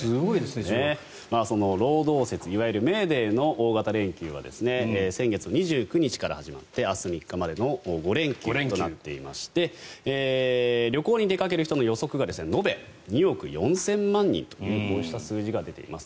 労働節いわゆるメーデーの大型連休は先月２９日から始まって明日３日までの５連休となっていまして旅行に出かける人の予測が延べ２億４０００万人とこうした数字が出ています。